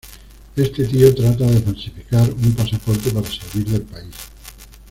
Este tío trata de falsificar un pasaporte para salir del país.